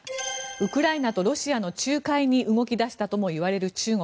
ウクライナとロシアの仲介に動き出したともいわれる中国。